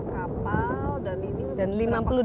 lima puluh kapal dan ini berapa